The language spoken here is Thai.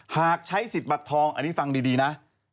หากใช้สิทธิ์บัตรทองอันนี้ฟังดีนะ